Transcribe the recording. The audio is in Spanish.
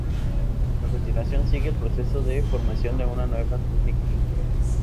A continuación sigue el proceso de formación de una nueva cutícula.